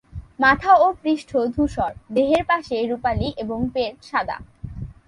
মাথা ও পৃষ্ঠ ধূসর, দেহের পাশে রুপালি এবং পেট সাদা।